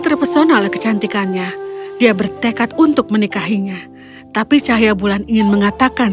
terpesona oleh kecantikannya dia bertekad untuk menikahinya tapi cahaya bulan ingin mengatakan